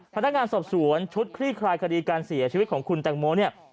พนักงานสอบสวนชุดคลี่คลายคดีการเสียชีวิตของคุณแตงโมเนี่ย